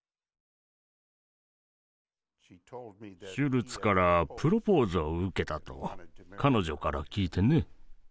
シュルツからプロポーズを受けたと彼女から聞いてね。